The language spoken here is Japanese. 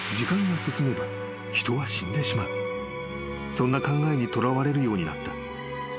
［そんな考えにとらわれるようになった］